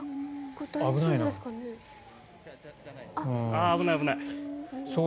危ない、危ない。